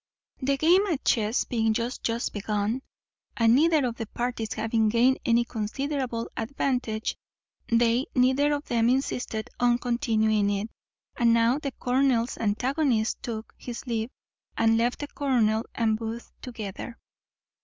The game at chess being but just begun, and neither of the parties having gained any considerable advantage, they neither of them insisted on continuing it; and now the colonel's antagonist took his leave and left the colonel and Booth together.